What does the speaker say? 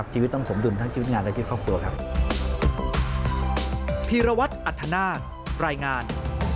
ชีวิตต้องสมดุลทั้งชีวิตงานและชีวิตครอบครัวครับ